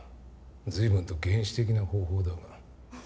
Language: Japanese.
随分と原始的な方法だが。